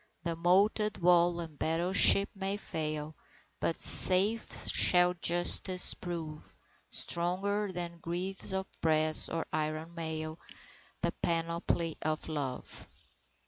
The moated wall and battleship may fail, But safe shall Justice prove; Stronger than greaves of brass or iron mail, The panoply of Love.